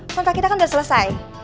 kontak kita kan udah selesai